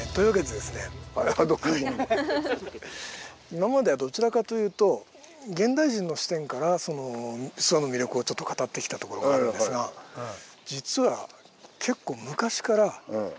今まではどちらかというと現代人の視点から諏訪の魅力を語ってきたところがあるんですがはい。